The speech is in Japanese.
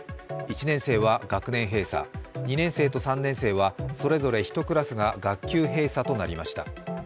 １年生は学年閉鎖２年生と３年生はそれぞれ１クラスが学級閉鎖となりました。